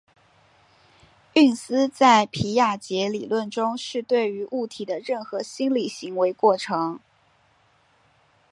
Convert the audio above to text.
运思在皮亚杰理论中是对于物体的任何心理行为过程。